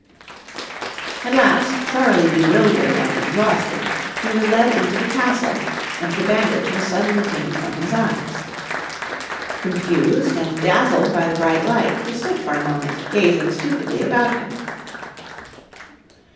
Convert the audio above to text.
At last, thoroughly bewildered and exhausted, he was led into the castle, and the bandage was suddenly taken from his eyes. Confused and dazzled by the bright light he stood for a moment gazing stupidly about him.